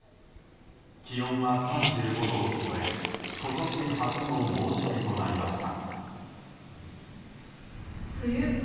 気温は３５度を超え今年初の猛暑日となりました。